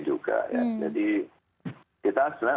jadi kita sebenarnya